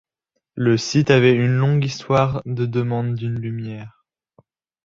Le site avait une longue histoire de demande d'une lumière.